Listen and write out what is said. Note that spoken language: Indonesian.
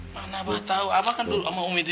mana abah tahu abah kan dulu sama ummi di sini